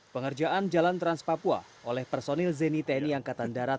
pengerjaan jalan trans papua oleh personil zeni tni angkatan darat